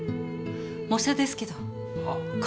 模写ですけど。